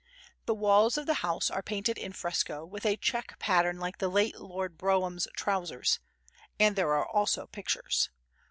The walls of the house are painted in fresco, with a check pattern like the late Lord Brougham's trousers, and there are also pictures.